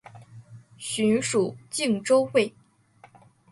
寻属靖州卫。